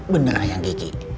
bener ayang kiki